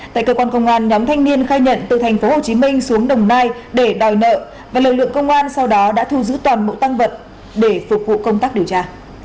tại cơ quan công an nhóm thanh niên khai nhận từ tp hcm xuống đồng nai để đòi nợ và lực lượng công an sau đó đã thu giữ toàn bộ tăng vật để phục vụ công tác điều tra